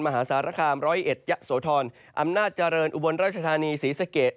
มหาศาลคามร้อยเอ็ดยะโสทรอำนาจเจริญอุบลราชธานีศรีสะเกะ